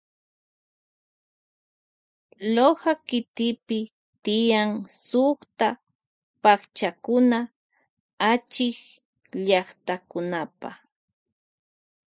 Loja kikipi tiyan sukta pakchakuna achikllaktakunapa.